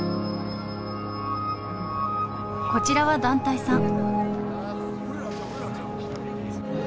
こちらは団体さん。